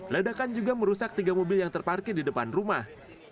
ledakan juga merusak tiga mobil yang terparkir di depan rumah